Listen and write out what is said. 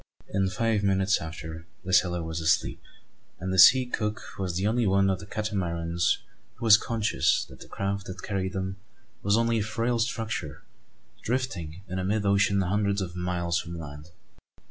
In five minutes after, the sailor was asleep; and the sea cook was the only one of the Catamarans who was conscious that the craft that carried them was only a frail structure drifting in mid ocean hundreds of miles from land.